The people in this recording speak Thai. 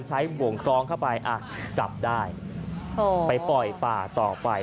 บวงคล้องเข้าไปอ่ะจับได้ไปปล่อยป่าต่อไป